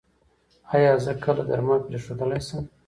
ایا زه کله درمل پریښودلی شم؟